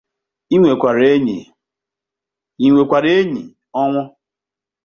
ị nwekwara enyi? Ọnwụ